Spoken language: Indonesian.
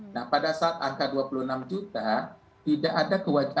nah pada saat angka dua puluh enam juta tidak ada kewajiban